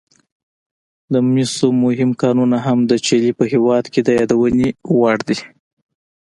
د مسو مهم کانونه هم د چیلي په هېواد کې د یادونې وړ دي.